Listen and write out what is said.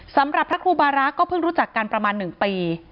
สำหรับพระครูบารักษ์ก็เพิ่งรู้จักกันประมาณ๑ปี